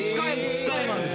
使えます。